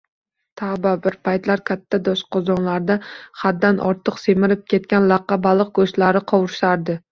Tavba, bir paytlar katta doshqozonlarda haddan ortiq semirib ketgan laqqa baliq go`shtlarini qovurishardi